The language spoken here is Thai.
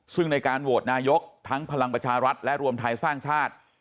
ซึ่งในการโหวตนายกทั้งพลังประชารัฐและรวมไทยสร้างชาติ